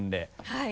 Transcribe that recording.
はい。